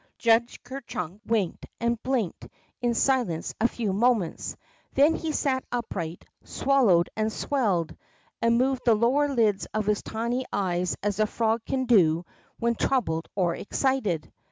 '' Judge Ker Chunk winked and blinked in silence a few moments, then he sat upright, swallowed and swelled, and moved the lower lids of his tiny eyes as a frog can do when troubled or excited.